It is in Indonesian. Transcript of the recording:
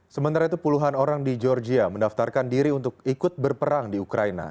sementara itu puluhan orang di georgia mendaftarkan diri untuk ikut berperang di ukraina